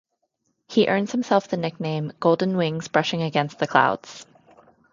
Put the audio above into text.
He earns himself the nickname "Golden Wings Brushing Against the Clouds".